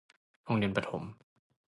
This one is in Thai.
โรงเรียนประถม